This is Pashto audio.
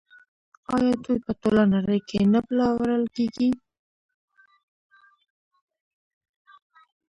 آیا دوی په ټوله نړۍ کې نه پلورل کیږي؟